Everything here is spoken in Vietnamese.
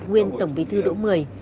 nguyên tổng bí thư đỗ mười